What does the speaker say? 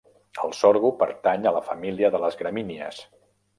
El sorgo pertany a la família de les gramínies.